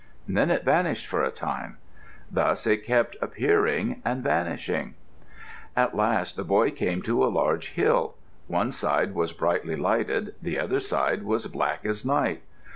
Then it vanished for a time. Thus it kept appearing and vanishing. At last the boy came to a large hill. One side was brightly lighted; the other side was black as night.